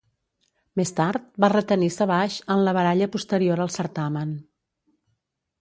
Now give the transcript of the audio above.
Més tard va retenir Savage en la baralla posterior al certamen.